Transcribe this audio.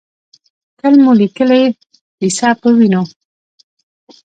تل مو لیکلې ، کیسه پۀ وینو